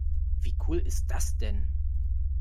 Wie cool ist das denn?